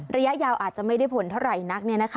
ระยะยาวอาจจะไม่ได้ผลเท่าไหร่นัก